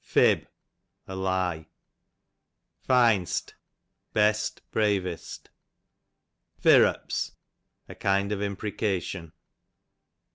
Fib, a lye. Fin'st, best, bravest. Firrups, a kind of imprecation.